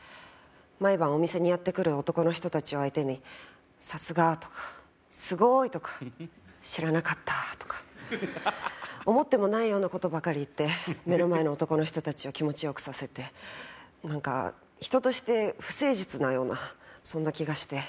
毎晩お店にやって来る男の人たちを相手に「さすが」とか「すごーい」とか「知らなかった」とか思ってもないような事ばかり言って目の前の男の人たちを気持ち良くさせてなんか人として不誠実なようなそんな気がして。